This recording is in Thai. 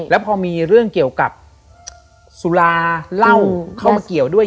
แล้วพอมีเรื่องเกี่ยวกับสุราเหล้าเข้ามาเกี่ยวด้วย